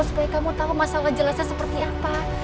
supaya kamu tahu masalah jelasnya seperti apa